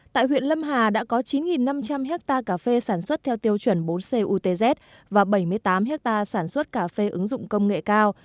tại huyện lâm hà đã có chín năm trăm linh ha cà phê sản xuất theo tiêu chuẩn bốn c utz và bảy mươi tám ha sản xuất cà phê ứng dụng công nghệ cao